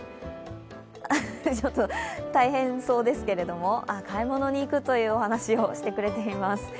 ちょっと大変そうですけれども、買い物に行くというお話をしてくれています。